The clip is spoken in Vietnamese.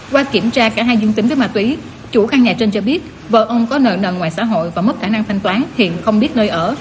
qua kiểm tra cả hai dương tính với mà tuý chủ căn nhà trên cho biết vợ ông có nợ nợ ngoài xã hội và mất khả năng thanh toán thiện không biết nơi ở